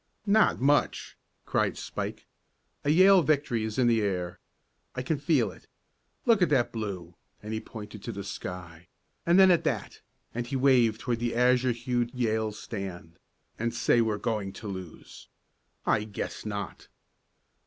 "Not much!" cried Spike. "A Yale victory is in the air. I can feel it! Look at that blue," and he pointed to the sky, "and then at that," and he waved toward the azure hued Yale stand, "and say we're going to lose! I guess not!"